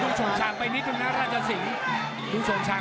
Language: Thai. ดูสนชางไปนิดนึงนะราชสิงฮะ